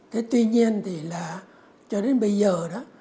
thế tuy nhiên thì là cho đến bây giờ đó